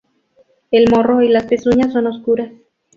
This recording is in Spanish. El morro y las pezuñas son oscuras.